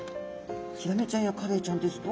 ヒラメちゃんやカレイちゃんですと。